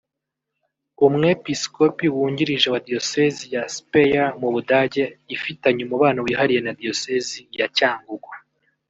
Umwepiskopi Wungirije wa Diyosezi ya Speyer mu Budage ifitanye umubano wihariye na Diyosezi ya Cyangugu